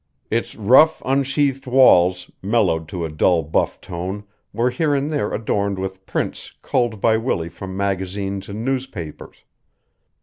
Its rough, unsheathed walls, mellowed to a dull buff tone, were here and there adorned with prints culled by Willie from magazines and newspapers.